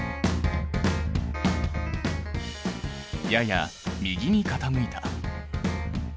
やや右に傾いた。